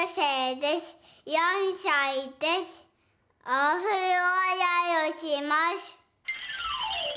おふろあらいをします。